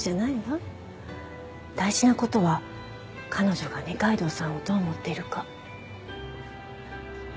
大事な事は彼女が二階堂さんをどう思っているか。